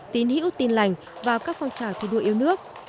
tín hữu tin lành vào các phong trào thi đua yêu nước